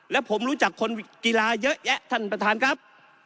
และผมรู้จักคนกีฬาเยอะแยะท่านประธานครับ